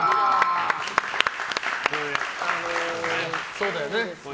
そうだよね。